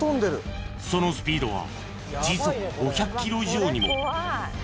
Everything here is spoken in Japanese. ［そのスピードは時速５００キロ以上にも］